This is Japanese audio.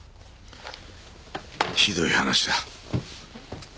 ひどい話だ。